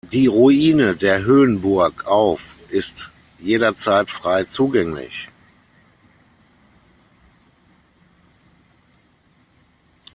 Die Ruine der Höhenburg auf ist jederzeit frei zugänglich.